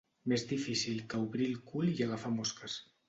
Més difícil que obrir el cul i agafar mosques.